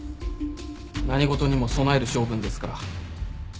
何事にも備える性分ですから。